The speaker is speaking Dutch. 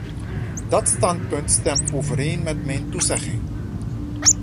Dat standpunt stemt overeen met mijn toezegging.